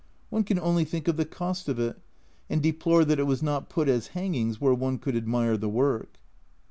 One can only think of the cost of it, and deplore that it was not put as hangings where one could admire the work.